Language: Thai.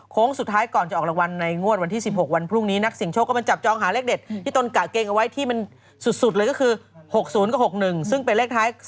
สุดท้ายก่อนจะออกรางวัลในงวดวันที่๑๖วันพรุ่งนี้นักเสียงโชคก็มาจับจองหาเลขเด็ดที่ตนกะเกงเอาไว้ที่มันสุดเลยก็คือ๖๐กับ๖๑ซึ่งเป็นเลขท้าย